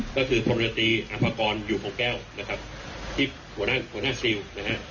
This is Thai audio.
ก็คือพลเรือตีอัภากรอยู่คงแก้วนะครับที่หัวหน้าหัวหน้าซิลนะฮะ